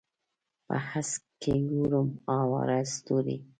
په هسک کې ګورم اواره ستوري